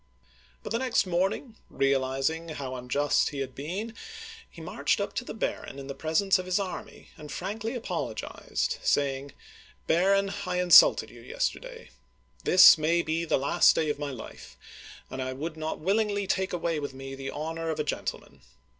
'* But the next morning, realizing hoV unjust he had been, he marched up to the baron in the presence of his army, and frankly apologized, saying :" Baron, I insulted you yesterday. This may be the last day of my life, and I would not willingly take away with me the honor of a gentleman.